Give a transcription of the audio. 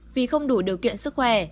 vì không đủ điều kiện sức khỏe